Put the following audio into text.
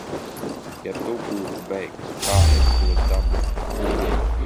Ja tu būtu beigts, kā es tos dabūtu?